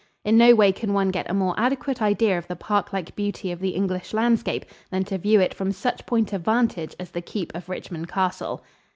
In no way can one get a more adequate idea of the parklike beauty of the English landscape than to view it from such point of vantage as the keep of Richmond Castle.